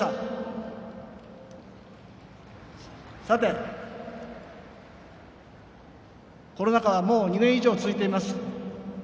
さて、コロナ禍はもう２年以上続いています。